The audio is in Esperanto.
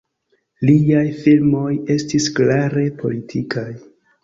Liaj filmoj estis klare politikaj.